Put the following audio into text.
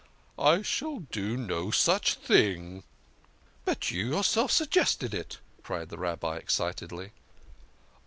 I shall do no such thing." " But you yourself suggested it !" cried the Rabbi ex citedly.